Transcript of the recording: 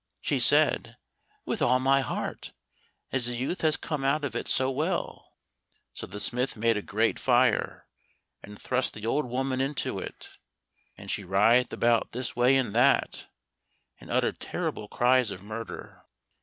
She said, "With all my heart, as the youth has come out of it so well." So the smith made a great fire, and thrust the old woman into it, and she writhed about this way and that, and uttered terrible cries of murder.